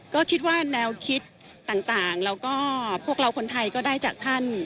ก็คิดว่าแนวคิดต่างแล้วก็พวกเราคนไทยก็ได้จากท่าน